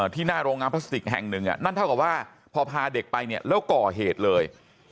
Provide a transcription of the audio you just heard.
หน้าโรงงานพลาสติกแห่งหนึ่งนั่นเท่ากับว่าพอพาเด็กไปเนี่ยแล้วก่อเหตุเลย